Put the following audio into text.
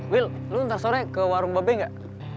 will lo ntar sore ke warung babeng gak